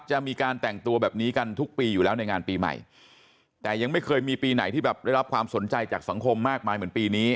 จะมีการแต่งตัวแบบนี้กันทุกปีอยู่แล้วในงานปีใหม่แต่ยังไม่เคยมีปีไหนที่แบบได้รับความสนใจจากสังคมมากมายเหมือนปีนี้